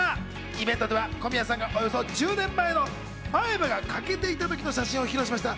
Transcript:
イベントでは小宮さんがおよそ１０年前の前歯が欠けていた時の写真を披露しました。